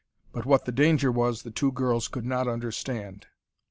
But what the danger was, the two girls could not understand.